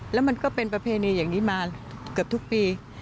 แล้วมันก็เป็นประเพณีอย่างนี้มาเกือบทุกปี